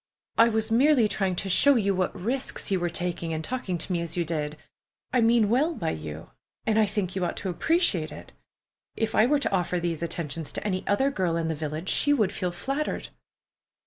"I was merely trying to show you what risks you were taking in talking to me as you did. I mean well by you, and I think you ought to appreciate it. If I were to offer these attentions to any other girl in the village, she would feel flattered."